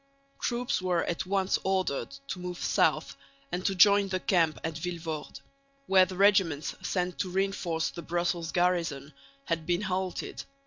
Troops were at once ordered to move south and to join the camp at Vilvoorde, where the regiments sent to reinforce the Brussels garrison had been halted.